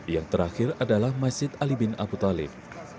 yang terakhir adalah masjid ali bin abu talib